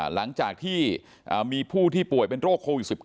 หลังจากที่มีผู้ที่ป่วยเป็นโรคโควิด๑๙